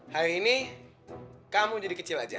hari ini kamu jadi kecil aja